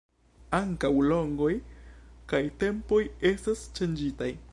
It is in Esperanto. Ankaŭ longoj kaj tempoj estas ŝanĝitaj.